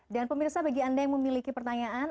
dan pemirsa bagi anda yang memiliki pertanyaan